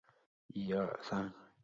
崔铣为明代理学大家。